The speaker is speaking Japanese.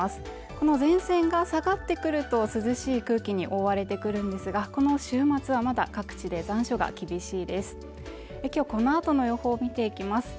この前線が下がってくると涼しい空気に覆われてくるんですがこの週末はまだ各地で残暑が厳しいですきょうこのあとの予報見ていきます